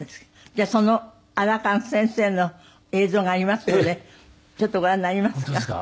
じゃあそのアラカン先生の映像がありますのでちょっとご覧になりますか？